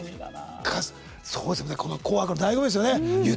「紅白」のだいご味ですよね。